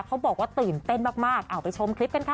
เขาบอกว่าตื่นเต้นมากเอาไปชมคลิปกันค่ะ